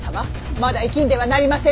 まだ息んではなりませぬ！